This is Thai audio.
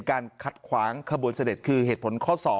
ขัดขวางขบวนเสด็จคือเหตุผลข้อ๒